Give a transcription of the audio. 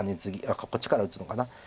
あっこっちから打つのかな。